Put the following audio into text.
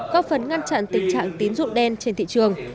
có phần ngăn chặn tình trạng tín dụng đen trên thị trường